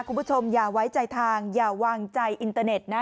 คุณผู้ชมอย่าไว้ใจทางอย่าวางใจอินเตอร์เน็ตนะ